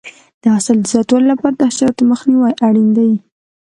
د حاصل د زیاتوالي لپاره د حشراتو مخنیوی اړین دی.